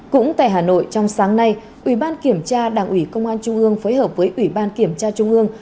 cũng tại hà nội trong sáng nay ủy ban kiểm tra đảng ủy công an trung ương phối hợp với ủy ban kiểm tra trung ương